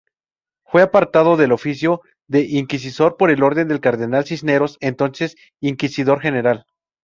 Fue apartado del oficio de inquisidor por orden del cardenal Cisneros, entonces inquisidor general.